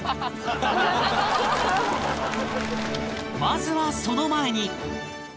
まずはその前に